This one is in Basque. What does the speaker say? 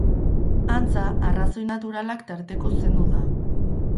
Antza, arrazoi naturalak tarteko zendu da.